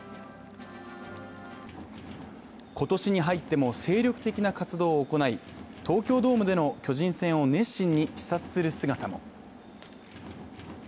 今年に入っても精力的な活動を行い東京ドームでの巨人戦を熱心に視察する姿も。